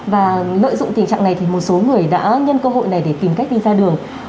và lợi dụng tình trạng này thì một số người đã nhân cơ hội này để tìm cách đi ra đường